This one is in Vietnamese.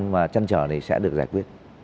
và chăn trở này sẽ được giải quyết